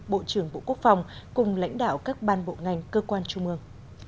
bộ trưởng bộ quốc phòng cùng lãnh đạo các ban bộ ngành cơ quan trung ương